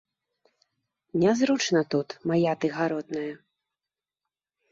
Не зручна тут, мая ты гаротная.